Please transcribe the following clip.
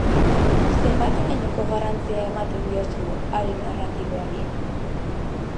Zenbaterainoko garrantzia ematen diozu hari narratiboari?